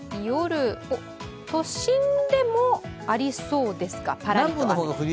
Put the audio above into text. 夜、都心でもありそうですか、パラリと。